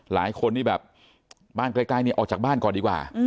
หลายคนนี่แบบบ้านใกล้นี่ออกจากบ้านก่อนดีกว่า